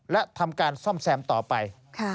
และทำการซ่อมแซมต่อไป